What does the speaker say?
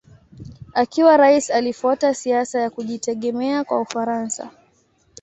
Akiwa rais alifuata siasa ya kujitegemea kwa Ufaransa.